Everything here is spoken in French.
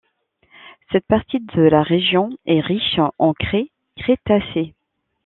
Cette partie de la région est riche en craie crétacée.